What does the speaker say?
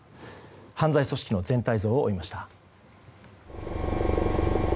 犯罪組織の全体像を追いました。